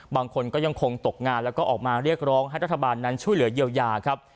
บางคนก็ยังคงตกงานแล้วก็ออกมาเรียกร้องให้รัฐบาลนั้นช่วยเหลือเยียวยาครับ